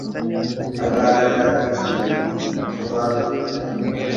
agaharanira ikibi, hazacura iki